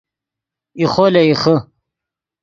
ایخو لے ایخے